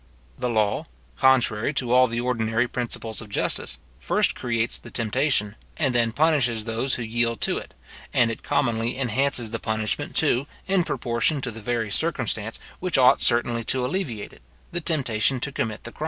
The law, contrary to all the ordinary principles of justice, first creates the temptation, and then punishes those who yield to it; and it commonly enhances the punishment, too, in proportion to the very circumstance which ought certainly to alleviate it, the temptation to commit the crime.